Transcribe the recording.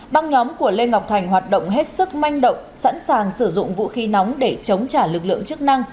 băng nhóm của lê ngọc thành hoạt động hết sức manh động sẵn sàng sử dụng vũ khí nóng để chống trả lực lượng chức năng